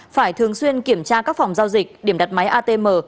phải thường xuyên kiểm tra các phòng giao dịch điểm đặt máy atm